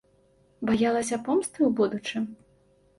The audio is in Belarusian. Баялася помсты ў будучым?